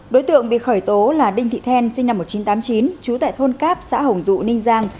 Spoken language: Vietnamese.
đối tượng bị khởi tố là đinh thị then sinh năm một nghìn chín trăm tám mươi chín trú tại thôn cáp xã hồng dụ ninh giang